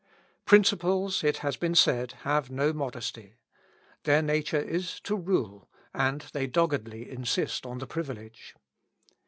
Principles, it has been said, have no modesty. Their nature is to rule, and they doggedly insist on the privilege.